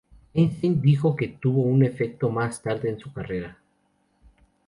Einstein dijo que tuvo un efecto más tarde en su carrera.